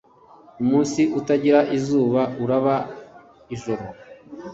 Umunsi utagira izuba ni, uraba ijoro.